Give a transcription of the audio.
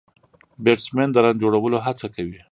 بيټسمېن د رن جوړولو هڅه کوي.